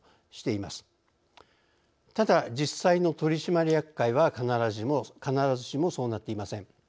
ただ実際の取締役会は必ずしもそうなっていません。